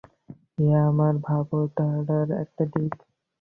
ইহা আমার ভাবধারার একটা দিক্।